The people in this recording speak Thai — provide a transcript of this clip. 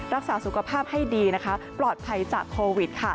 รักษาสุขภาพให้ดีนะคะปลอดภัยจากโควิด